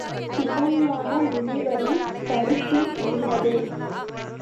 சிவஞான முனிவரின் கருத்தும் இன்னதே.